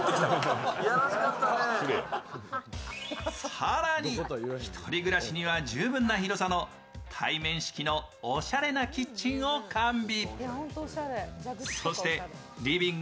更に１人暮らしには十分な広さの対面式のおしゃれなキッチンを完備。